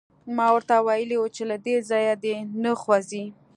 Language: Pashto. ما ورته ویلي وو چې له دې ځایه دې نه خوځي